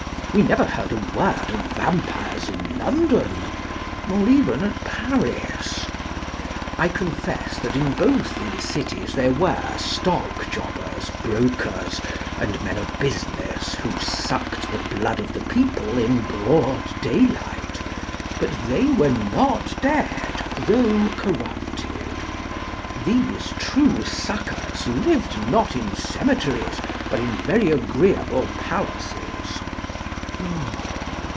We never heard a word of vampires in London, nor even at Paris. I confess that in both these cities there were stock jobbers, brokers, and men of business, who sucked the blood of the people in broad daylight; but they were not dead, though corrupted. These true suckers lived not in cemeteries, but in very agreeable palaces.